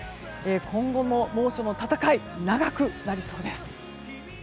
今後も猛暑の戦い長くなりそうです。